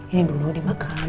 ini dulu dimakan